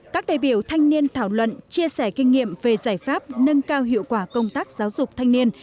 các đại biểu thanh niên thảo luận chia sẻ kinh nghiệm về giải pháp nâng cao hiệu quả công tác giáo dục thanh niên